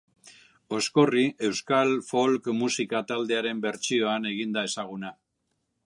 Oskorri euskal folk musika taldearen bertsioan egin da ezaguna.